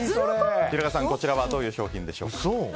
平賀さん、こちらはどういう商品でしょうか。